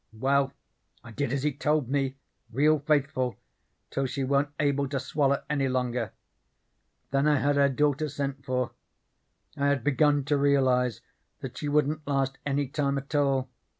Well, I did as he told me real faithful till she wa'n't able to swaller any longer. Then I had her daughter sent for. I had begun to realize that she wouldn't last any time at all.